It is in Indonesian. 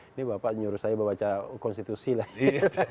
ini bapak nyuruh saya membaca konstitusi lagi